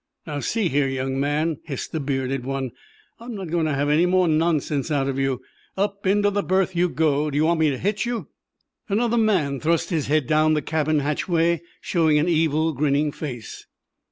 "Now, see here, young man," hissed the bearded one, "I'm not going to have any more nonsense out of you. Up into the berth you go! Do you want me to hit you?" Another man thrust his head down the cabin hatchway, showing an evil, grinning face.